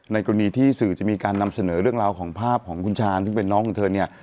กรณีที่สื่อจะมีการนำเสนอเรื่องราวของภาพของคุณชาญซึ่งเป็นน้องของเธอเนี่ย